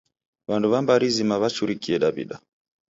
W'andu w'a mbari zima w'achurikie Daw'ida.